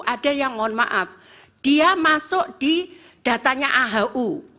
ada yang mohon maaf dia masuk di datanya ahu